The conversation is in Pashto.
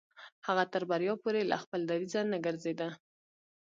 هغه تر بريا پورې له خپل دريځه نه ګرځېده.